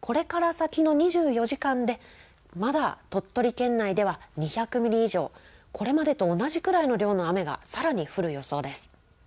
これから先の２４時間で、まだ鳥取県内では２００ミリ以上、これまでと同じくらいの量の雨が、さらに降る予想です。